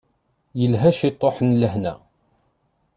Yelha ciṭuḥ n lḥenna.